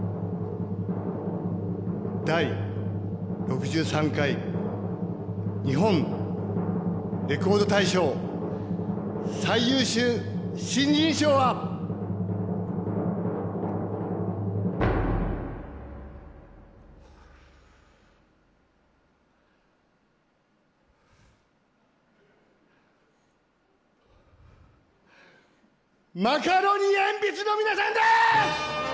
第６３回日本レコード大賞最優秀新人賞はマカロニえんぴつの皆さんです！